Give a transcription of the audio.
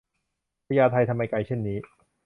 พญาไท ทำไมไกลเช่นนี้